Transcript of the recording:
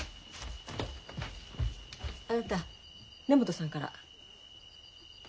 あなた根本さんから。